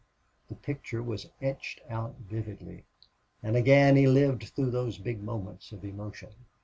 The picture was etched out vividly, and again he lived through those big moments of emotion.